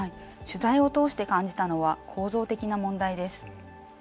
取材を通して感じたのは構造的な問題です。